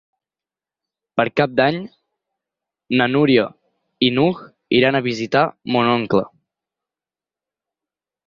Per Cap d'Any na Núria i n'Hug iran a visitar mon oncle.